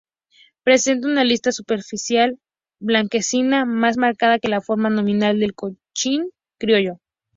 Presenta una lista superciliar blanquecina más marcada que la forma nominal del chochín criollo.